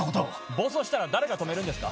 暴走したら誰が止めるんですか？